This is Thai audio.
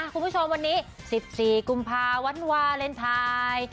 คุณผู้ชมวันนี้๑๔กุมภาวันวาเลนไทย